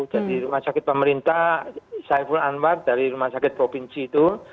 jadi rumah sakit pemerintah saiful anwar dari rumah sakit provinsi itu